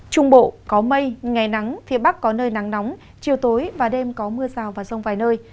trung bộ có mây ngày nắng phía bắc có nơi nắng nóng chiều tối và đêm có mưa rào và rông vài nơi